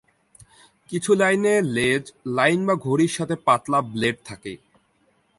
কিছু লাইনে লেজ, লাইন বা ঘুড়ির সাথে পাতলা ব্লেড থাকে।